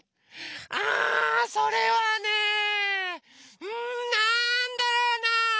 あそれはねうんなんだろうな。